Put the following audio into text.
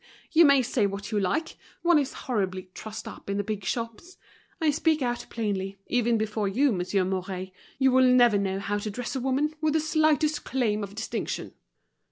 You may say what you like, one is horribly trussed up in the big shops. I speak out plainly, even before you, Monsieur Mouret; you will never know how to dress a woman with the slightest claim to distinction."